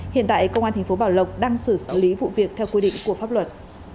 hiện tại công an thành phố bảo lộc đang xử xử lý vụ việc theo quy định của pháp luật